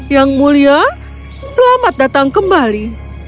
yang mulia selamat datang kembali